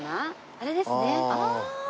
あれですね。